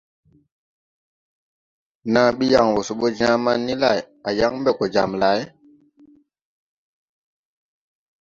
Naa ɓi yaŋ wɔ se ɓɔ Jaaman ni lay, a yaŋ ɓɛ gɔ jam lay?